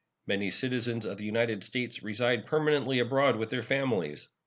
Many citizens of the United States reside permanently abroad with their families.